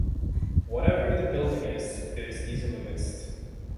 Whatever the building is, it is easily missed.